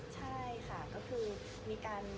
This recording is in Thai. ใช่ค่ะก็คือมีการ